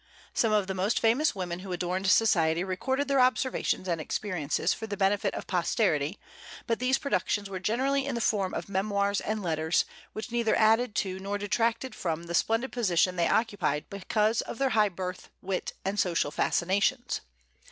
Some of the most famous women who adorned society recorded their observations and experiences for the benefit of posterity; but these productions were generally in the form of memoirs and letters, which neither added to nor detracted from the splendid position they occupied because of their high birth, wit, and social fascinations.